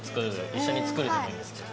一緒に作るでもいいんですけど。